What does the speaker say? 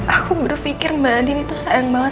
aku baru pikir mbak andin itu sayang banget